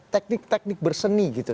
teknik teknik berseni gitu